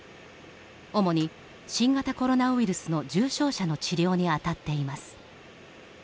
おもに新型コロナウイルスの重症者の治療に当たっています。